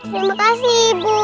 terima kasih ibu